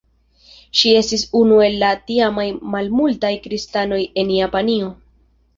Ŝi estis unu el la tiamaj malmultaj kristanoj en Japanio.